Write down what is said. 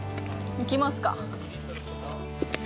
行きますか。